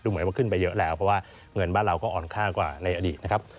เหมือนว่าขึ้นไปเยอะแล้วเพราะว่าเงินบ้านเราก็อ่อนค่ากว่าในอดีตนะครับ